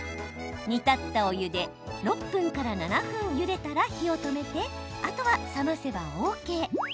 煮立ったお湯で６分から７分ゆでたら火を止めてあとは冷ませばＯＫ。